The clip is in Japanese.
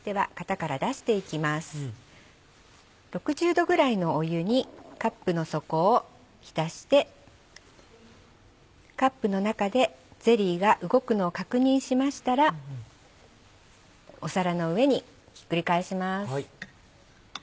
℃ぐらいの湯にカップの底を浸してカップの中でゼリーが動くのを確認しましたら皿の上にひっくり返します。